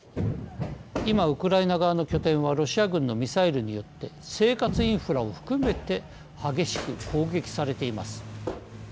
今、ウクライナ側の拠点はロシア軍のミサイルによって生活インフラを含めて激しく攻撃されています。